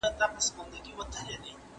¬ د لاس د گوتو تر منځ لا فرق سته.